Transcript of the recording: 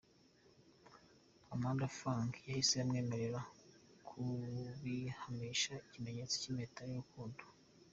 Amanda Fung yahise amwemerera babihamisha ikimenyetso cy'impeta y'urukundo.